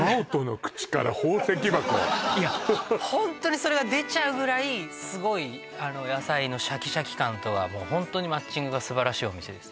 ホントにそれが出ちゃうぐらいすごい野菜のシャキシャキ感とはホントにマッチングが素晴らしいお店です